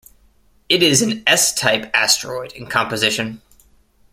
It is an S-type asteroid in composition.